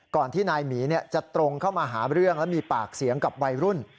ก่อนที่นายหมีจะตรงเข้ามาหาเรื่องและมีปากเสียงกับวัยรุ่น